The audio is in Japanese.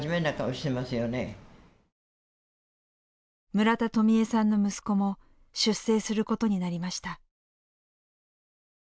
村田とみゑさんの息子も出征することになりました。